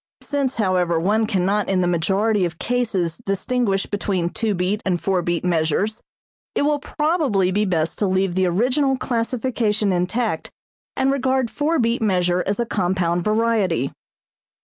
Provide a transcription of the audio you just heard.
Since, however, one cannot in the majority of cases distinguish between two beat and four beat measures, it will probably be best to leave the original classification intact and regard four beat measure as a compound variety.